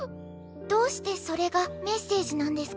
どうしてそれがメッセージなんですか？